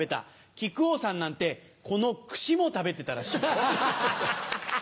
木久扇さんなんてこの串も食べてたらしいよ。